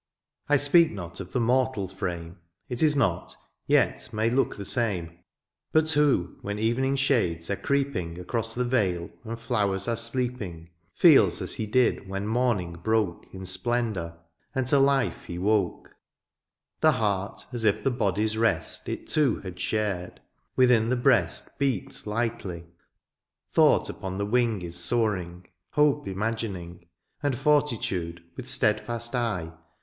I speak not of the mortal firame^ It is not, yet may look the same ; Bnt ^o, ^en evening shades are creeping Across the vale^ and flowers are sleeping, Feels as he did when morning broke In splendour^ and to life he woke : The heart, as if the body's rest It too had shared^ within the breast Beats lightly, thought upon the wing Is soaring, hope imagining, And fortitude with steadfast eye.